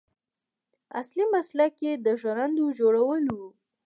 اصلي مسلک یې د ژرندو جوړول و.